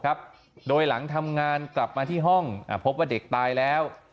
โดยหลังทำงานกลับมาที่ห้องพบว่าเด็กตายแล้ว